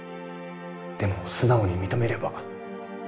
でも素直に認めれば